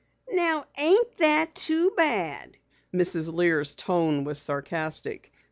"Now ain't that too bad!" Mrs. Lear's tone was sarcastic.